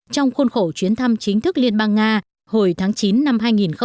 trong khuôn khổ chuyến thăm chính thức liên bang nga hồi tháng chín năm hai nghìn một mươi tám